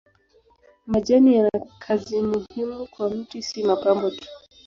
Majani yana kazi muhimu kwa mti si mapambo tu.